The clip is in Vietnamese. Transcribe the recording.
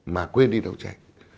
mà quên đi đấu tranh